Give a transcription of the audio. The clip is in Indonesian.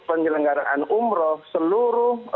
penyelenggaraan umroh seluruh